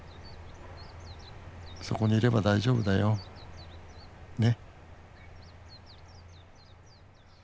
そこにいれば大丈夫だよ。ね